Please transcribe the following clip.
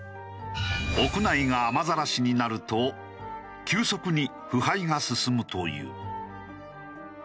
屋内が雨ざらしになると急速に腐敗が進むという。